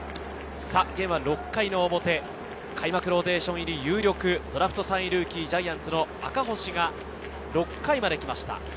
ゲームは６回の表、開幕ローテーション入り有力、ドラフト３位ルーキー、ジャイアンツの赤星が６回まで来ました。